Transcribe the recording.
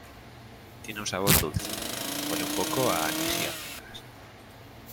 Tiene un sabor dulce, huele un poco a anís y almendras.